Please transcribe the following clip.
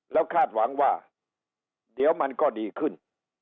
แล้วคาดหวังว่าเดี๋ยวมันก็ดีขึ้น